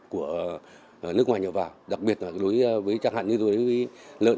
của nước ngoài nhập vào đặc biệt là đối với chẳng hạn như lợn